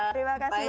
terima kasih banyak